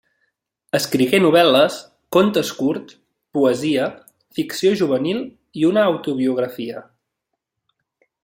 Escrigué novel·les, contes curts, poesia, ficció juvenil i una autobiografia.